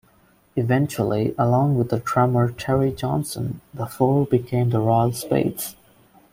Eventually, along with the drummer Terry Johnson, the four became the Royal Spades.